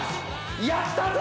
やったぞ！